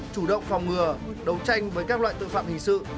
chủ động phòng ngừa đấu tranh với các loại tội phạm hình sự